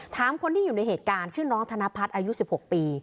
ถามคนที่อยู่ในเหตุการณ์ชื่อน้องธนพัฒน์อายุ๑๖ปี